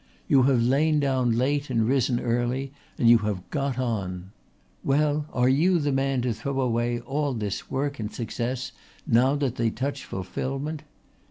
"You have lain down late and risen early, and you have got on. Well, are you the man to throw away all this work and success now that they touch fulfilment?